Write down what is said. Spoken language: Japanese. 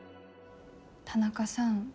田中さん